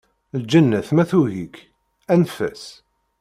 Lǧennet ma tugi-k, anef-as.